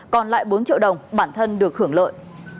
còn lại bốn triệu đồng bản thân được hưởng lợi